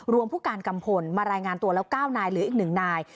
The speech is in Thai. ผู้การกัมพลมารายงานตัวแล้ว๙นายเหลืออีก๑นาย